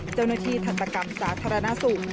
เจ้าหน้าที่ทันตกรรมสาธารณสุข